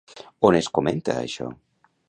On es comenta això?